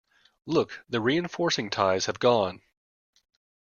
Look, the reinforcing ties have gone!